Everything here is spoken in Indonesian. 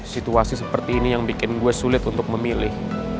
situasi seperti ini yang bikin gue sulit untuk memilih